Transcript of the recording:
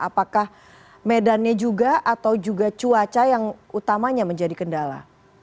apakah medannya juga atau juga cuaca yang utamanya menjadi kendala